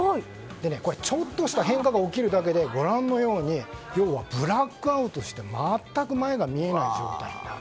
ちょっとした変化が起きるだけでブラックアウトして全く前が見えない状態になる。